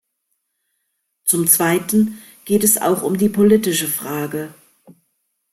Zum zweiten geht es auch um die politische Frage.